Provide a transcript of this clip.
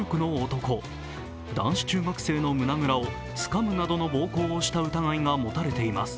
男子中学生の胸ぐらをつかむなどの暴行をした疑いが持たれています。